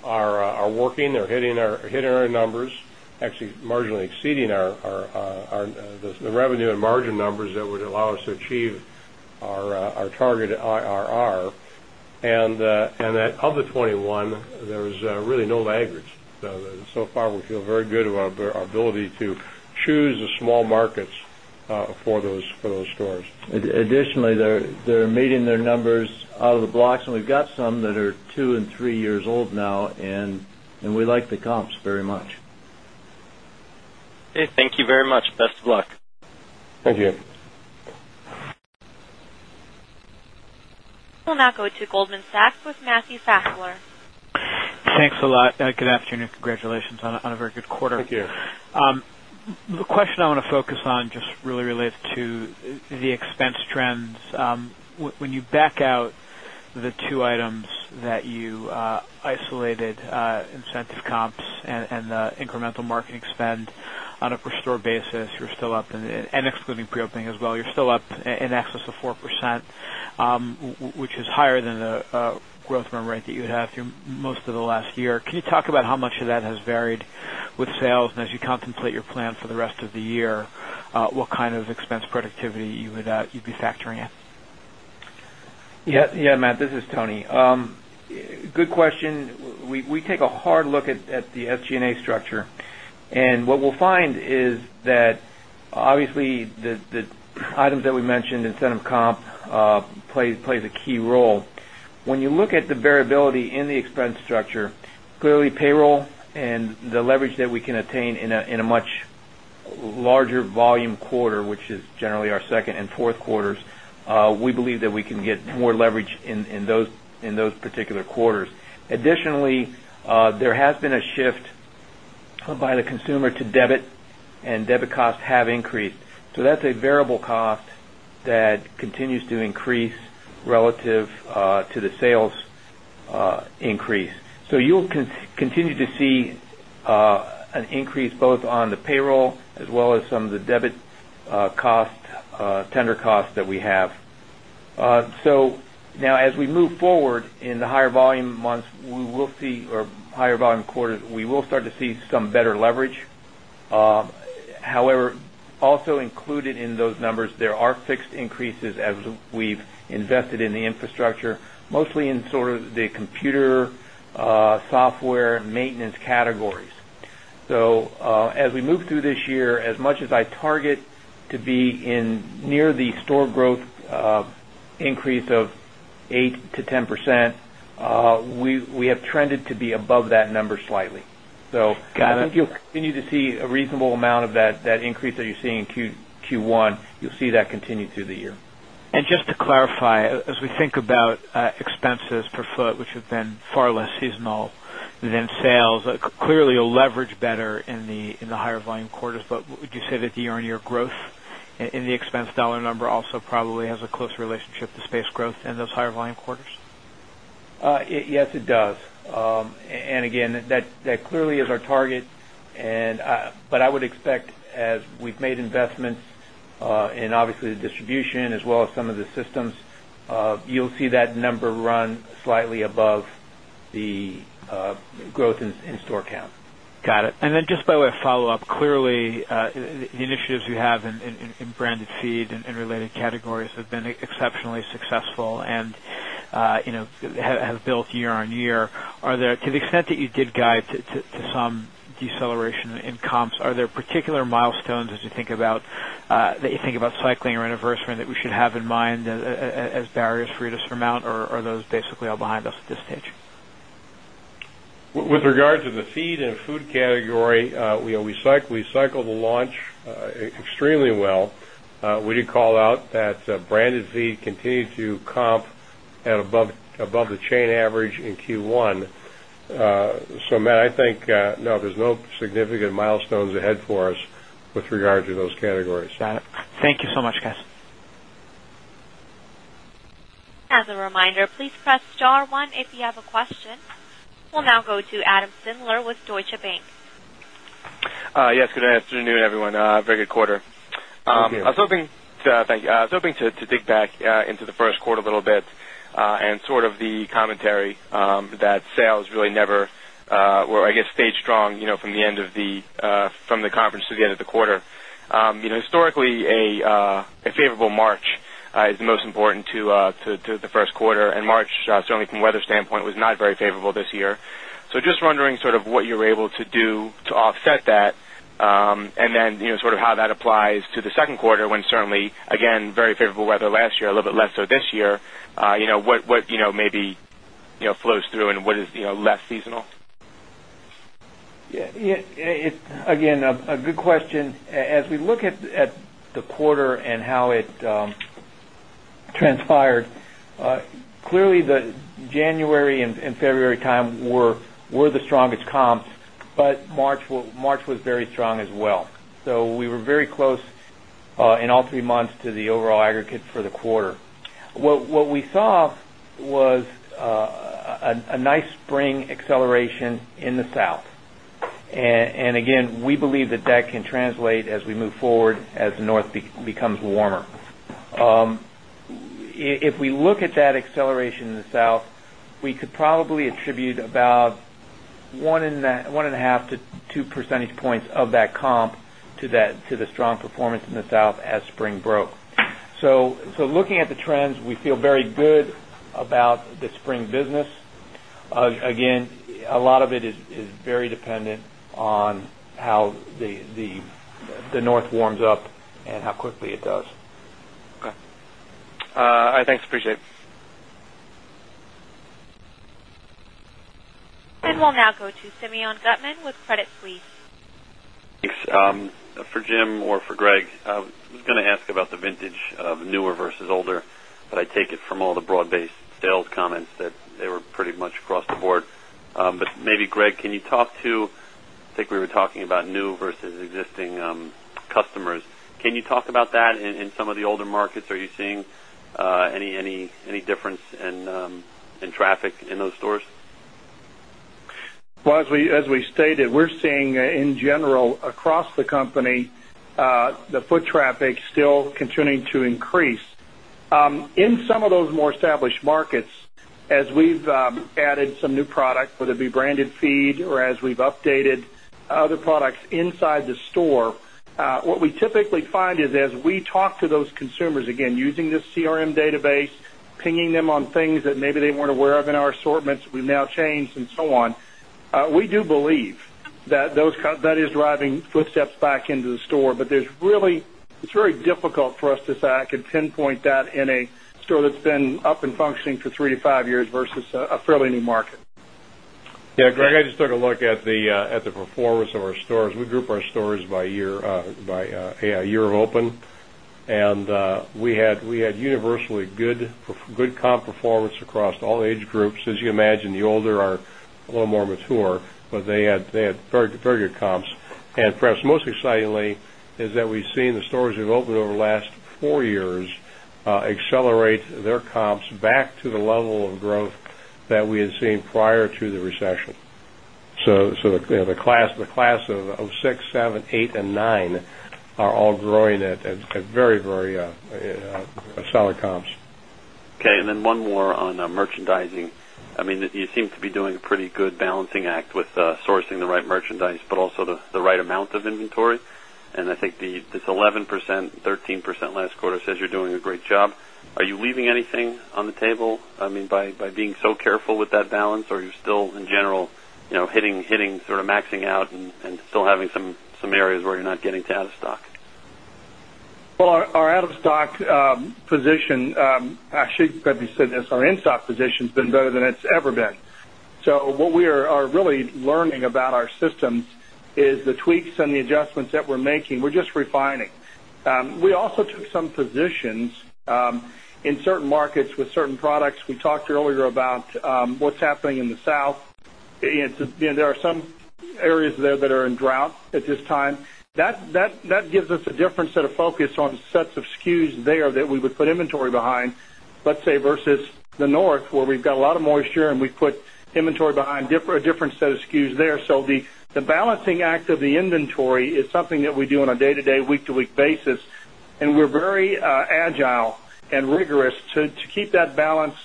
are working. They're hitting our numbers, actually marginally exceeding the revenue and margin numbers that would allow us to achieve our target ROI. Of the 21, there's really no laggage. So far, we feel very good about our ability to choose the small markets for those stores. Additionally, they're meeting their numbers out of the blocks, and we've got some that are two and three years old now, and we like the comps very much. Hey, thank you very much. Best of luck. Thank you. will now go to Goldman Sachs with Matthew Slater. Thanks a lot. Good afternoon. Congratulations on a very good quarter. Thank you. The question I want to focus on just really relates to the expense trends. When you back out the two items that you isolated, expensive comps and the incremental marketing spend on a per-store basis, you're still up, and excluding pre-opening as well, you're still up in excess of 4%, which is higher than the growth memory that you have through most of the last year. Can you talk about how much of that has varied with sales? As you contemplate your plan for the rest of the year, what kind of expense productivity you'd be factoring in? Yeah, Matt. This is Tony. Good question. We take a hard look at the SG&A structure. What we'll find is that obviously the items that we mentioned, incentive comp plays a key role. When you look at the variability in the expense structure, clearly payroll and the leverage that we can attain in a much larger volume quarter, which is generally our second and fourth quarters, we believe that we can get more leverage in those particular quarters. Additionally, there has been a shift by the consumer to debit, and debit costs have increased. That's a variable cost that continues to increase relative to the sales increase. You'll continue to see an increase both on the payroll as well as some of the debit costs, tender costs that we have. As we move forward in the higher volume months, we will see, or higher volume quarters, we will start to see some better leverage. However, also included in those numbers, there are fixed increases as we've invested in the infrastructure, mostly in sort of the computer, software, and maintenance categories. As we move through this year, as much as I target to be near the store growth increase of 8%-10%, we have trended to be above that number slightly. I think you'll continue to see a reasonable amount of that increase that you're seeing in Q1. You'll see that continue through the year. Just to clarify, as we think about expenses per foot, which have been far less seasonal than sales, you'll leverage better in the higher volume quarters. Would you say that the year-over-year growth in the expense dollar number also probably has a close relationship to space growth in those higher volume quarters? Yes, it does. That clearly is our target. I would expect, as we've made investments in obviously the distribution as well as some of the systems, you'll see that number run slightly above the growth in store count. Got it. Just by way of follow-up, clearly the initiatives you have in branded feed and related categories have been exceptionally successful and have built year-over-year. To the extent that you did guide to some deceleration in comps, are there particular mitones as you think about that you think about cycling or anniversary that we should have in mind as barriers for you to surmount, or are those basically all behind us at this stage? With regard to the feed and food category, we cycled the launch extremely well. We did call out that branded feed continued to comp at above the chain average in Q1. Matt, I think there's no significant mitones ahead for us with regard to those categories. Got it. Thank you so much, guys. As a reminder, please press star one if you have a question. We'll now go to Adam Sindler with Deutsche Bank. Yes, good afternoon, everyone. Very good quarter. Thank you. I was hoping to dig back into the first quarter a little bit and sort of the commentary that sales really never stayed strong, you know, from the end of the conference to the end of the quarter. Historically, a favorable March is the most important to the first quarter, and March, certainly from a weather standpoint, was not very favorable this year. Just wondering sort of what you were able to do to offset that and then how that applies to the second quarter when certainly, again, very favorable weather last year, a little bit less so this year. What maybe flows through and what is less seasonal? Yeah, it's, again, a good question. As we look at the quarter and how it transpired, clearly the January and February time were the strongest comps, but March was very strong as well. We were very close in all three months to the overall aggregate for the quarter. What we saw was a nice spring acceleration in the South. We believe that that can translate as we move forward as the North becomes warmer. If we look at that acceleration in the South, we could probably attribute about 1.5%-2% of that comp to the strong performance in the South as spring broke. Looking at the trends, we feel very good about the spring business. A lot of it is very dependent on how the North warms up and how quickly it does. Okay, all right, thanks. Appreciate it. We will now go to Simeon Gutman with Credit Suisse. Thanks. For Jim or for Greg, I was going to ask about the vintage of newer versus older, but I take it from all the broad-based sales comments that they were pretty much across the board. Greg, can you talk to, I think we were talking about new versus existing customers. Can you talk about that in some of the older markets? Are you seeing any difference in traffic in those stores? As we stated, we're seeing, in general, across the company, the foot traffic still continuing to increase. In some of those more established markets, as we've added some new product, whether it be branded feed or as we've updated other products inside the store, what we typically find is as we talk to those consumers, again, using this CRM database, pinging them on things that maybe they weren't aware of in our assortments we've now changed and so on, we do believe that is driving footsteps back into the store. It's very difficult for us to say I could pinpoint that in a store that's been up and functioning for three to five years versus a fairly new market. Greg, I just took a look at the performance of our stores. We group our stores by year, by year of open, and we had universally good comp performance across all age groups. As you imagine, the older are a little more mature, but they had very good comps. Perhaps most excitingly is that we've seen the stores we've opened over the last four years accelerate their comps back to the level of growth that we had seen prior to the recession. The class of 2006, 2007, 2008, and 2009 are all growing at very, very solid comps. Okay. One more on merchandising. You seem to be doing a pretty good balancing act with sourcing the right merchandise, but also the right amount of inventory. I think this 11%, 13% last quarter says you're doing a great job. Are you leaving anything on the table? By being so careful with that balance, are you still, in general, hitting, sort of maxing out and still having some areas where you're not getting to out of stock? Our out-of-stock position, I should maybe say this, our in-stock position has been better than it's ever been. What we are really learning about our systems is the tweaks and the adjustments that we're making. We're just refining. We also took some positions in certain markets with certain products. We talked earlier about what's happening in the South. You know, there are some areas there that are in drought at this time. That gives us a different set of focus on sets of SKUs there that we would put inventory behind, let's say, versus the North where we've got a lot of moisture and we put inventory behind a different set of SKUs there. The balancing act of the inventory is something that we do on a day-to-day, week-to-week basis. We're very agile and rigorous to keep that balance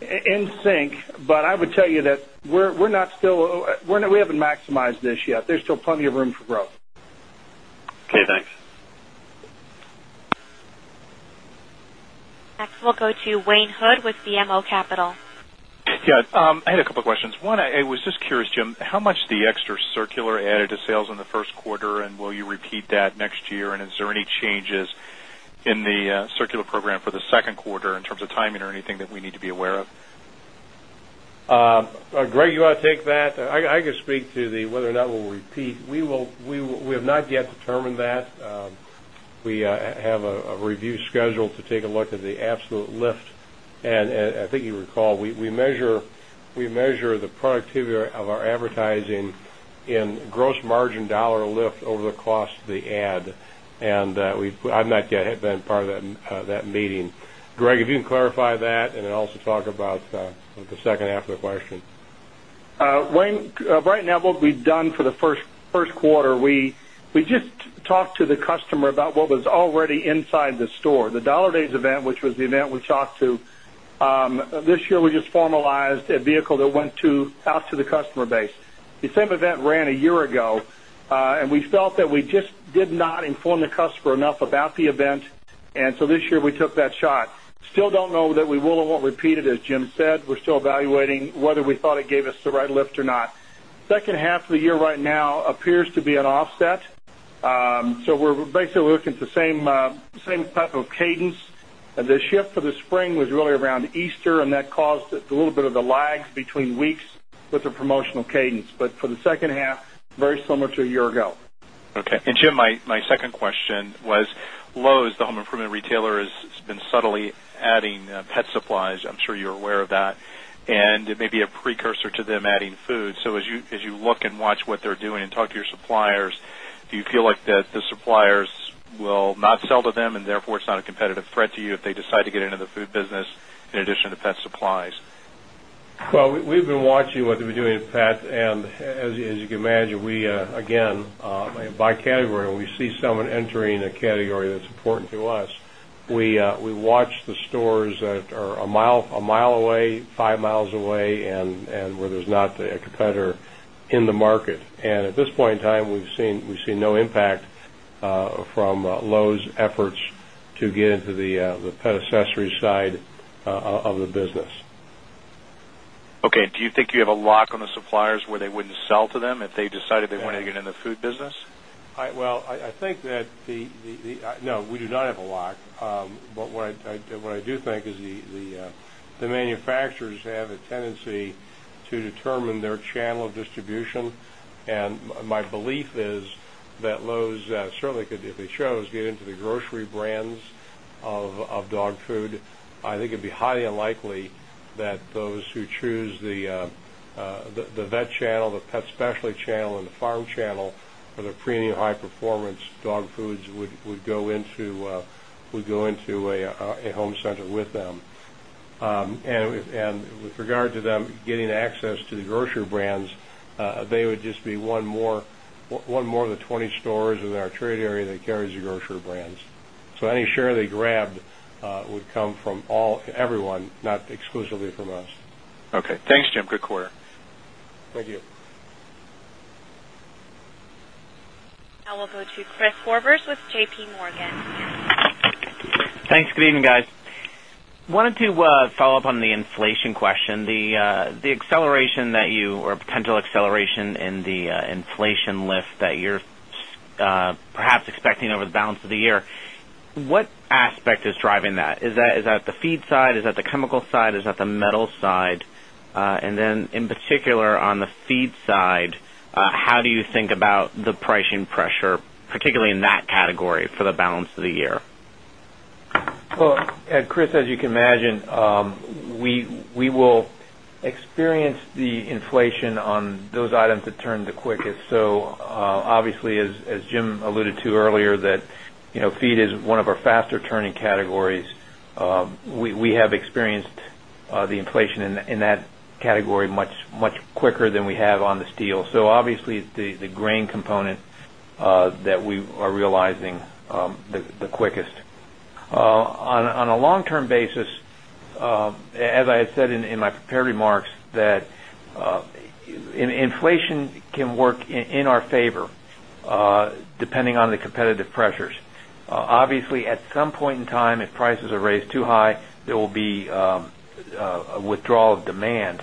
in sync. I would tell you that we're not still, we haven't maximized this yet. There's still plenty of room for growth. Okay, thanks. Next, we'll go to Wayne Hood with BMO Capital. Yeah, I had a couple of questions. One, I was just curious, Jim, how much the extra circular added to sales in the first quarter, and will you repeat that next year? Is there any changes in the circular program for the second quarter in terms of timing or anything that we need to be aware of? Greg, you want to take that? I can speak to whether or not we'll repeat. We have not yet determined that. We have a review scheduled to take a look at the absolute lift. I think you recall, we measure the productivity of our advertising in gross margin dollar lift over the cost of the ad. I've not yet been part of that meeting. Greg, if you can clarify that and then also talk about the second half of the question. Wayne, right now, what we've done for the first quarter, we just talked to the customer about what was already inside the store. The Dollar Days event, which was the event we shopped to this year, we just formalized a vehicle that went out to the customer base. The same event ran a year ago, and we felt that we just did not inform the customer enough about the event. This year, we took that shot. Still don't know that we will or won't repeat it, as Jim said. We're still evaluating whether we thought it gave us the right lift or not. Second half of the year right now appears to be an offset. We're basically looking at the same type of cadence. The shift for the spring was really around Easter, and that caused a little bit of the lags between weeks with the promotional cadence. For the second half, very similar to a year ago. Okay. Jim, my second question was Lowe's, the home improvement retailer, has been subtly adding pet supplies. I'm sure you're aware of that. It may be a precursor to them adding food. As you look and watch what they're doing and talk to your suppliers, do you feel like the suppliers will not sell to them and therefore it's not a competitive threat to you if they decide to get into the food business in addition to pet supplies? We have been watching what they're doing with pets. As you can imagine, we, again, by category, when we see someone entering a category that's important to us, we watch the stores that are a mile away, five mi away, and where there's not a competitor in the market. At this point in time, we've seen no impact from Lowe's efforts to get into the pet accessory side of the business. Okay. Do you think you have a lock on the suppliers where they wouldn't sell to them if they decided they wanted to get into the food business? I think that, no, we do not have a lock. What I do think is the manufacturers have a tendency to determine their channel of distribution. My belief is that Lowe's certainly could, if they chose, get into the grocery brands of dog food. I think it'd be highly unlikely that those who choose the vet channel, the pet specialty channel, and the farm channel for the premium high-performance dog foods would go into a home center with them. With regard to them getting access to the grocery brands, they would just be one more of the 20 stores in our trade area that carries the grocery brands. Any share they grabbed would come from everyone, not exclusively from us. Okay, thanks, Jim. Good quarter. Thank you. Now we'll go to Chris Horvers with JPMorgan. Thanks. Good evening, guys. Wanted to follow up on the inflation question. The acceleration that you, or a potential acceleration in the inflation lift that you're perhaps expecting over the balance of the year, what aspect is driving that? Is that the feed side? Is that the chemical side? Is that the metal side? In particular, on the feed side, how do you think about the pricing pressure, particularly in that category, for the balance of the year? Chris, as you can imagine, we will experience the inflation on those items that turn the quickest. Obviously, as Jim alluded to earlier, feed is one of our faster-turning categories. We have experienced the inflation in that category much quicker than we have on the steel. Obviously, it's the grain component that we are realizing the quickest. On a long-term basis, as I had said in my prepared remarks, inflation can work in our favor depending on the competitive pressures. At some point in time, if prices are raised too high, there will be a withdrawal of demand.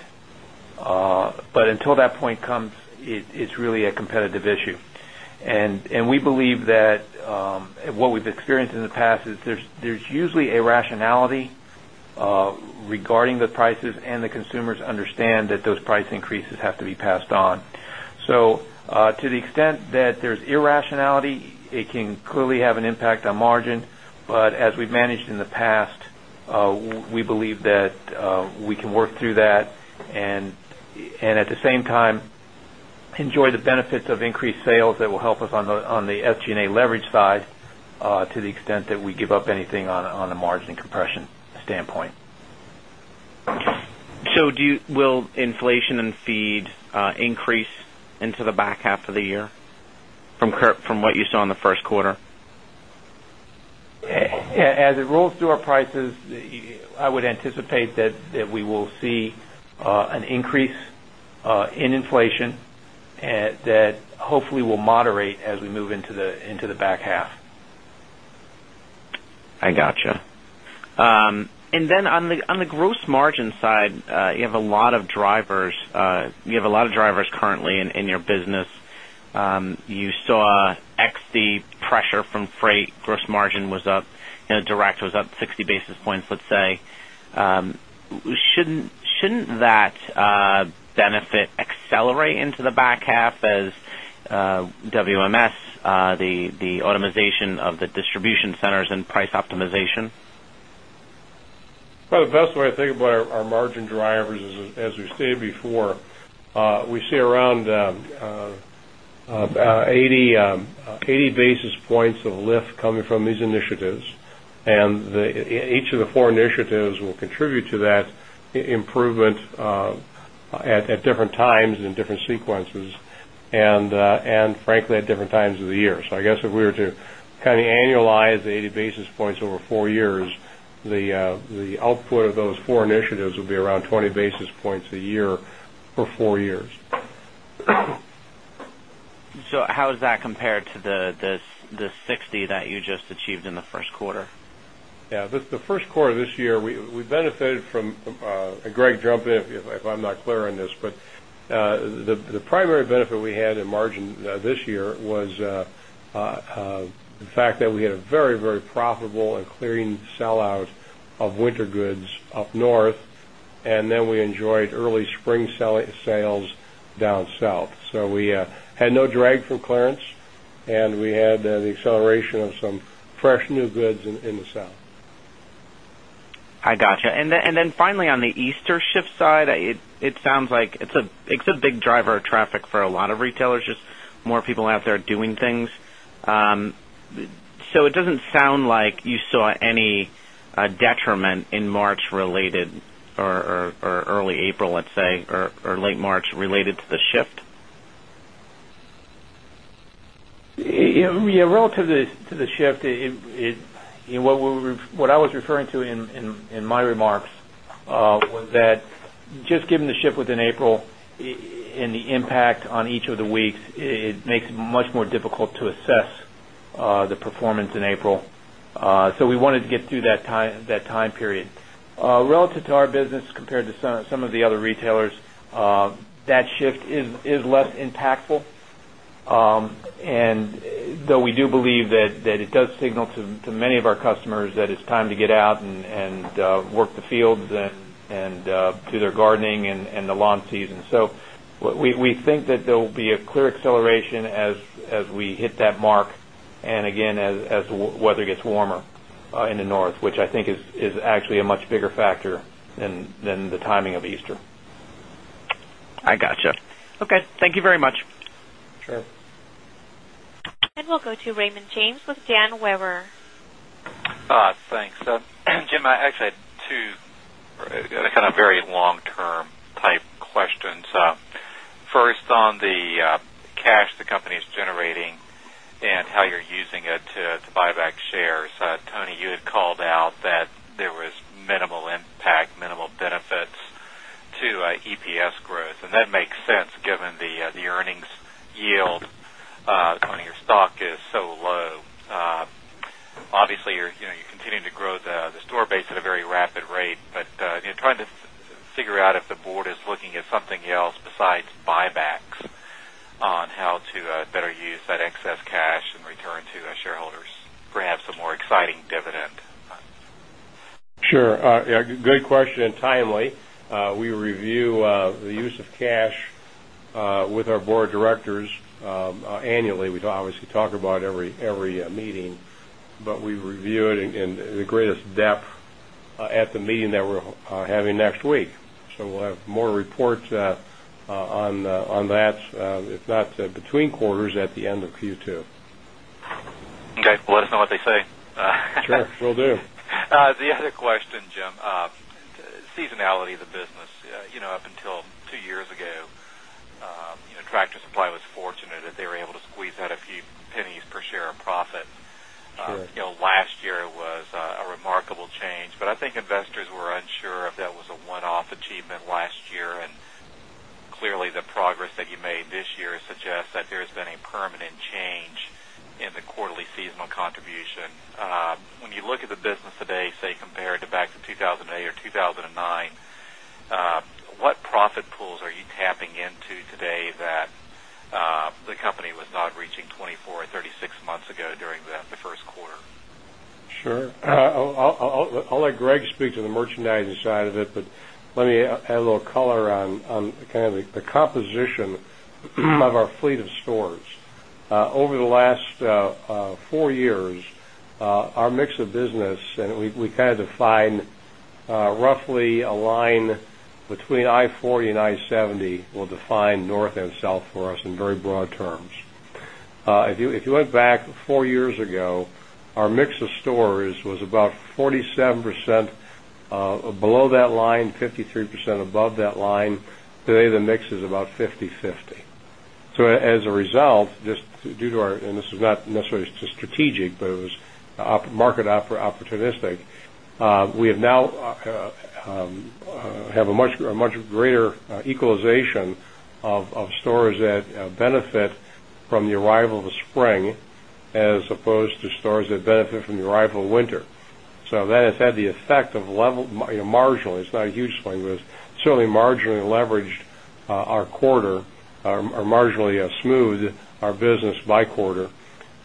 Until that point comes, it's really a competitive issue. We believe that what we've experienced in the past is there's usually a rationality regarding the prices, and the consumers understand that those price increases have to be passed on. To the extent that there's irrationality, it can clearly have an impact on margin. As we've managed in the past, we believe that we can work through that and at the same time enjoy the benefits of increased sales that will help us on the SG&A leverage side to the extent that we give up anything on the margin and compression standpoint. Will inflation and feed increase into the back half of the year from what you saw in the first quarter? As it rolls through our prices, I would anticipate that we will see an increase in inflation that hopefully will moderate as we move into the back half. I got you. On the gross margin side, you have a lot of drivers. You have a lot of drivers currently in your business. You saw, excluding the pressure from freight, gross margin was up, and the direct was up 60 basis points, let's say. Shouldn't that benefit accelerate into the back half as WMS, the automation of the distribution centers, and price optimization? The best way to think about our margin drivers is, as we stated before, we see around 80 basis points of lift coming from these initiatives. Each of the four initiatives will contribute to that improvement at different times and in different sequences, and frankly, at different times of the year. I guess if we were to kind of annualize the 80 basis points over four years, the output of those four initiatives would be around 20 basis points a year for four years. How is that compared to the 60 that you just achieved in the first quarter? Yeah, the first quarter this year, we benefited from, and Greg, jump in if I'm not clear on this, but the primary benefit we had in margin this year was the fact that we had a very, very profitable and clearing sellout of winter goods up North. We enjoyed early spring sales down South. We had no drag from clearance, and we had the acceleration of some fresh new goods in the South. I gotcha. Finally, on the Easter shift side, it sounds like it's a big driver of traffic for a lot of retailers. Just more people out there doing things. It doesn't sound like you saw any detriment in March related, or early April, let's say, or late March related to the shift? Yeah, relative to the shift, what I was referring to in my remarks was that just given the shift within April and the impact on each of the weeks, it makes it much more difficult to assess the performance in April. We wanted to get through that time period. Relative to our business compared to some of the other retailers, that shift is less impactful. We do believe that it does signal to many of our customers that it's time to get out and work the fields and do their gardening and the lawn season. We think that there will be a clear acceleration as we hit that mark. As the weather gets warmer in the North, which I think is actually a much bigger factor than the timing of Easter. I gotcha. Okay, thank you very much. Sure. We will go to Raymond James with Dan Weber. Thanks. Jim, I actually had two kind of very long-term type questions. First, on the cash the company is generating and how you're using it to buy back shares. Tony, you had called out that there was minimal impact, minimal benefits to EPS growth. That makes sense given the earnings yield on your stock is so low. Obviously, you're continuing to grow the store base at a very rapid rate, but you're trying to figure out if the board is looking at something else besides buybacks on how to better use that excess cash and return to shareholders, perhaps a more exciting dividend. Sure. Good question and timely. We review the use of cash with our Board of Directors annually. We obviously talk about it at every meeting, but we review it in the greatest depth at the meeting that we're having next week. We'll have more reports on that, if not between quarters, at the end of Q2. Okay. Let us know what they say. Yes, will do. The other question, Jim, seasonality of the business. Up until two years ago, Tractor Supply was fortunate that they were able to squeeze out a few pennies per share of profit. Last year it was a remarkable change. I think investors were unsure if that was a one-off achievement last year. Clearly, the progress that you made this year suggests that there's been a permanent change in the quarterly seasonal contributions. When you look at the business today, say, compared to back to 2008 or 2009, what profit pools are you tapping into today that the company was not reaching 24 months or 36 months ago during the first quarter? Sure. I'll let Greg speak to the merchandising side of it, but let me add a little color on kind of the composition of our fleet of stores. Over the last four years, our mix of business, and we kind of define roughly a line between I-40 and I-70, will define North and South for us in very broad terms. If you went back four years ago, our mix of stores was about 47% below that line, 53% above that line. Today, the mix is about 50/50. As a result, just due to our, and this is not necessarily strategic, but it was market opportunistic. We have now had a much greater equalization of stores that benefit from the arrival of spring as opposed to stores that benefit from the arrival of winter. That has had the effect of level, you know, marginally. It's not a huge swing, but it's certainly marginally leveraged our quarter, or marginally smoothed our business by quarter.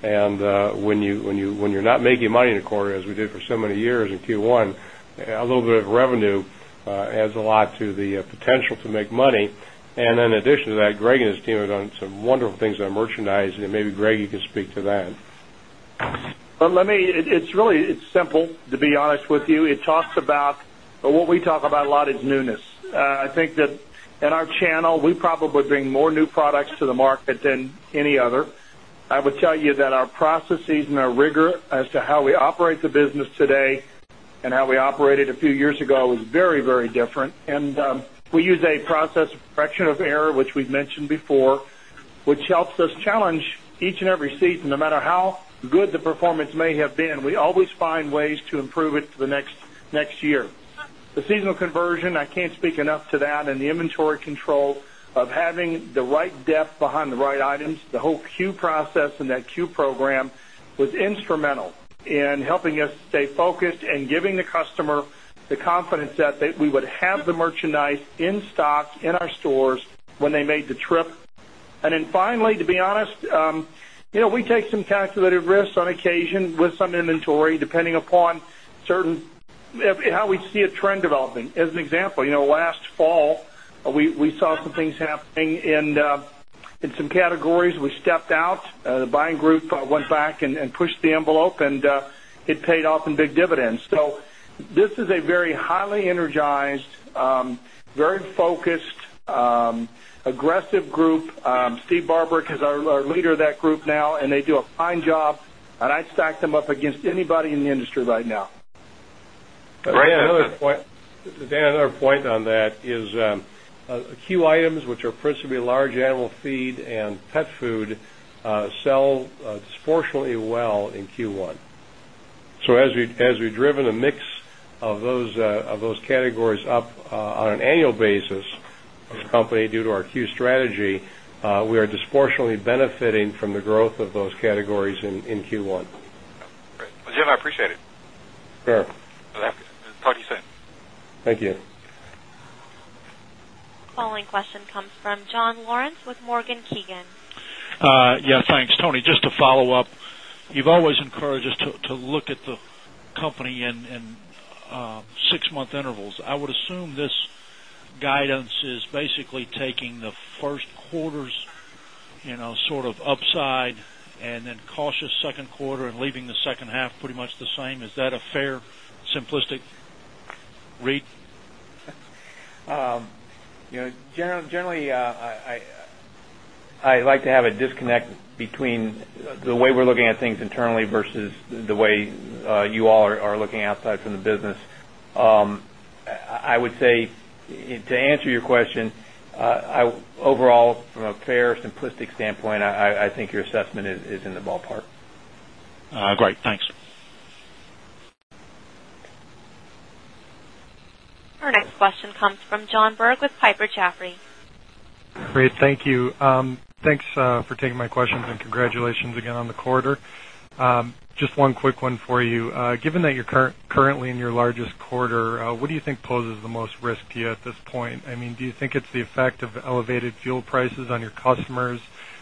When you're not making money in a quarter, as we did for so many years in Q1, a little bit of revenue adds a lot to the potential to make money. In addition to that, Greg and his team have done some wonderful things in our merchandise, and maybe Greg, you could speak to that. It's really, it's simple, to be honest with you. It talks about, or what we talk about a lot is newness. I think that in our channel, we probably bring more new products to the market than any other. I would tell you that our processes and our rigor as to how we operate the business today and how we operated a few years ago was very, very different. We use a process of correction of error, which we've mentioned before, which helps us challenge each and every season. No matter how good the performance may have been, we always find ways to improve it for the next year. The seasonal conversion, I can't speak enough to that, and the inventory control of having the right depth behind the right items, the whole queue process and that queue program was instrumental in helping us stay focused and giving the customer the confidence that we would have the merchandise in stock in our stores when they made the trip. Finally, to be honest, you know, we take some calculated risks on occasion with some inventory, depending upon how we see a trend development. As an example, you know, last fall, we saw some things happening in some categories. We stepped out. The buying group went back and pushed the envelope, and it paid off in big dividends. This is a very highly energized, very focused, aggressive group. Steve Barbarick is our leader of that group now, and they do a fine job. I'd stack them up against anybody in the industry right now. Dan, another point on that is a few items, which are principally large animal feed and pet food, sell disproportionately well in Q1. As we've driven a mix of those categories up on an annual basis, the company, due to our Q1 strategy, is disproportionately benefiting from the growth of those categories in Q1. Great. Jim, I appreciate it. Dan. Talk to you soon. Thank you. Following question comes from John Lawrence with Morgan Keegan. Yeah, thanks, Tony. Just to follow up, you've always encouraged us to look at the company in six-month intervals. I would assume this guidance is basically taking the first quarter's upside and then cautious second quarter and leaving the second half pretty much the same. Is that a fair, simplistic reach? Generally, I like to have a disconnect between the way we're looking at things internally versus the way you all are looking outside from the business. I would say, to answer your question, overall, from a fair, simplistic standpoint, I think your assessment is in the ballpark. Great. Thanks. Our next question comes from Jon Berg with Piper Jaffray. Great. Thank you. Thanks for taking my questions and congratulations again on the quarter. Just one quick one for you. Given that you're currently in your largest quarter, what do you think poses the most risk to you at this point? I mean, do you think it's the effect of elevated fuel prices on your customers,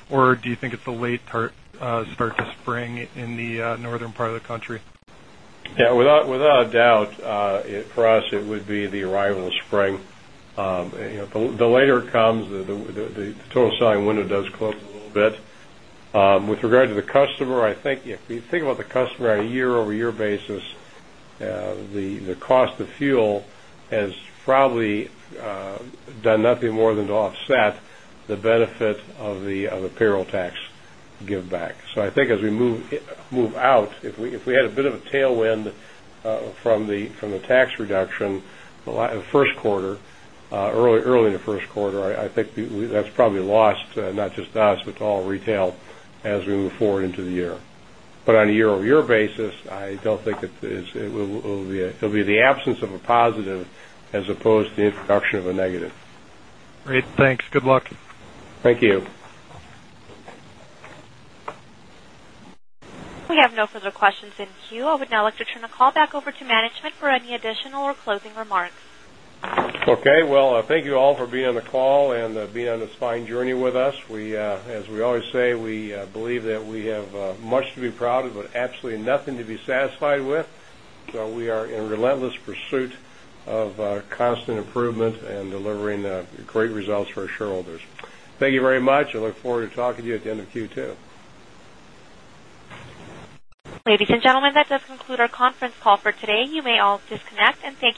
or do you think it's the late start to spring in the North? Yeah. Without a doubt, for us, it would be the arrival of spring. The later it comes, the total selling window does close. With regard to the customer, I think if you think about the customer on a year-over-year basis, the cost of fuel has probably done nothing more than to offset the benefit of the payroll tax giveback. I think as we move out, if we had a bit of a tailwind from the tax reduction in the first quarter, early in the first quarter, I think that's probably lost, not just us, but to all retail as we move forward into the year. On a year-over-year basis, I don't think it will be the absence of a positive as opposed to the introduction of a negative. Great, thanks. Good luck. Thank you. We have no further questions in queue. I would now like to turn the call back over to management for any additional or closing remarks. Thank you all for being on the call and being on this fine journey with us. As we always say, we believe that we have much to be proud of, but absolutely nothing to be satisfied with. We are in relentless pursuit of constant improvement and delivering great results for our shareholders. Thank you very much. I look forward to talking to you at the end of Q2. Ladies and gentlemen, that does conclude our conference call for today. You may all disconnect and take care.